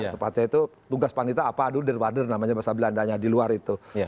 tepatnya itu tungkas panitera apa dudur wadur namanya bahasa belandanya di luar itu